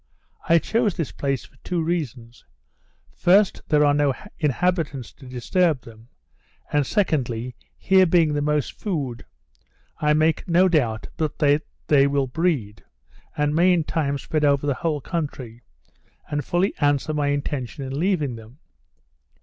I chose this place for two reasons; first, here are no inhabitants to disturb them; and, secondly, here being the most food, I make no doubt but that they will breed, and may in time spread over the whole country, and fully answer my intention in leaving them.